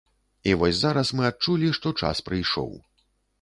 І вось зараз мы адчулі, што час прыйшоў.